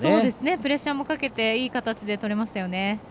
プレッシャーもかけていい形で取れましたよね。